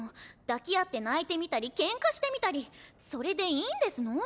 抱き合って泣いてみたりけんかしてみたりそれでいいんですの？